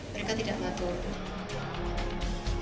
mereka tidak mengatur